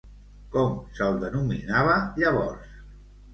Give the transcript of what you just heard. Com se'l denominava llavors?